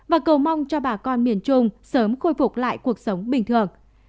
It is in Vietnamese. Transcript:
và cầu mong cho bà con miền trung sớm khôi phục lại cuộc sống bình thường